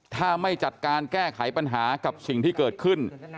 ถ้าไม่จัดการแก้ไขปัญหากับสิ่งที่เกิดขึ้น